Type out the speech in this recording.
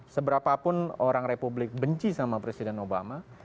seberapapun orang republik benci sama presiden obama